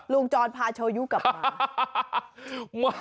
จรพาโชยุกลับมา